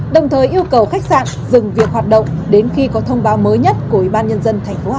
đồng thời yêu cầu khách sạn dừng việc hoạt động đến khi có thông báo mới nhất của ubnd tp hà nội